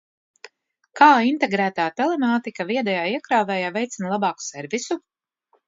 Kā integrētā telemātika viedajā iekrāvējā veicina labāku servisu?